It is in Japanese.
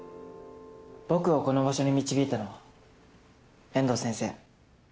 僕をこの場所に導いたのは遠藤先生